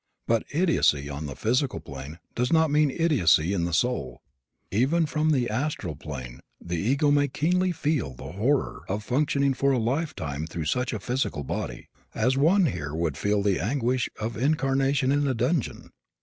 But idiocy on the physical plane does not mean idiocy in the soul. Even from the astral plane the ego may keenly feel the horror of functioning for a lifetime through such a physical body, as one here would feel the anguish of incarceration in a dungeon.